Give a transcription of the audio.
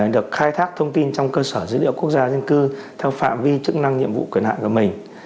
được khai thác thông tin trong cơ sở dữ liệu quốc gia dân cư theo phạm vi chức năng nhiệm vụ quyền hạn của mình